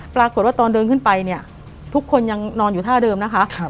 ปรากฏว่าตอนเดินขึ้นไปเนี่ยทุกคนยังนอนอยู่ท่าเดิมนะคะ